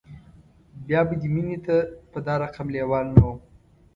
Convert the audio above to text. بیا به دې مینې ته په دا رقم لیوال نه وم